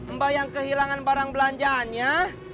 mbak yang kehilangan barang belanjaannya